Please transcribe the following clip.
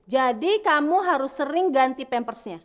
jadi kamu harus sering ganti pampersnya